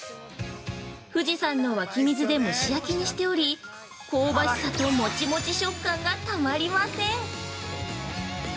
富士山の湧き水で蒸し焼きにしており、香ばしさともちもち食感がたまりません。